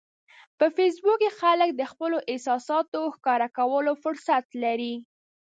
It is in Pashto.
په فېسبوک کې خلک د خپلو احساساتو ښکاره کولو فرصت لري